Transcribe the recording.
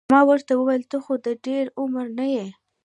ما ورته وویل ته خو د ډېر عمر نه یې.